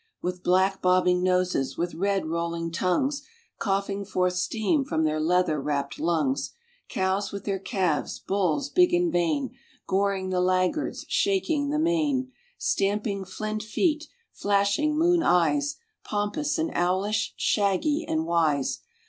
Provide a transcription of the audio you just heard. With black bobbing noses, with red rolling tongues, Coughing forth steam from their leather wrapped lungs, Cows with their calves, bulls big and vain, Goring the laggards, shaking the mane, Stamping flint feet, flashing moon eyes, Pompous and owlish, shaggy and wise.